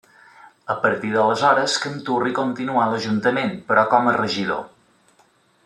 A partir d'aleshores, Canturri continuà a l'Ajuntament però com a regidor.